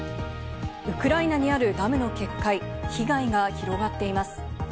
ウクライナにあるダムの決壊、被害が広がっています。